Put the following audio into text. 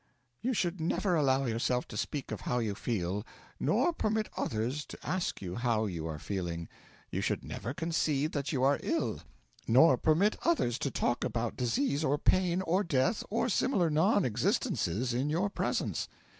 'You should never allow yourself to speak of how you feel, nor permit others to ask you how you are feeling: you should never concede that you are ill, nor permit others to talk about disease or pain or death or similar non existences in your preserve.